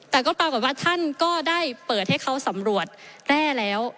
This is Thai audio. แต่ก็ปรากฏว่าท่านก็ได้เปิดให้เขาสำรวจแร่แล้ว